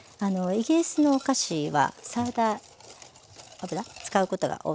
イギリスのお菓子はサラダ油使うことが多いです。